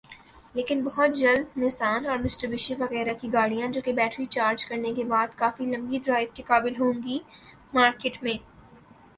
لیکن بہت جلد نسان اور میٹسوبشی وغیرہ کی گاڑیاں جو کہ بیٹری چارج کرنے کے بعد کافی لمبی ڈرائیو کے قابل ہوں گی مارکیٹ میں